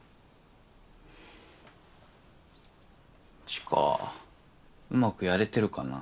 知花うまくやれてるかな？